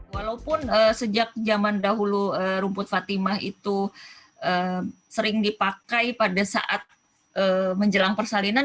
walaupun sejak zaman dahulu rumput fatimah itu sering dipakai pada saat menjelang persalinan